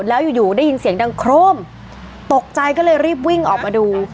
แล้วอยู่อยู่ได้ยินเสียงดังโครมตกใจก็เลยรีบวิ่งออกมาดู